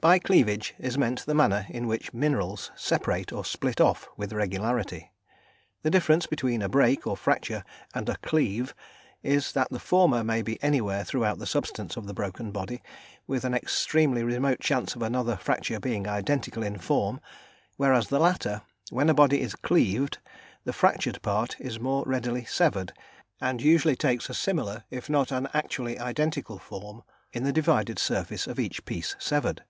By cleavage is meant the manner in which minerals separate or split off with regularity. The difference between a break or fracture and a "cleave," is that the former may be anywhere throughout the substance of the broken body, with an extremely remote chance of another fracture being identical in form, whereas in the latter, when a body is "cleaved," the fractured part is more readily severed, and usually takes a similar if not an actually identical form in the divided surface of each piece severed.